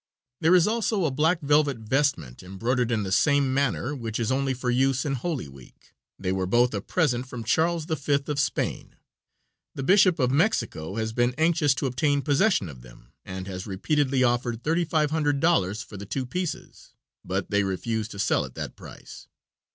There is also a black velvet vestment embroidered in the same manner, which is only for use in holy week. They were both a present from Charles V., of Spain. The Bishop of Mexico has been anxious to obtain possession of them, and has repeatedly offered $3500 for the two pieces, but they refuse to sell at that price.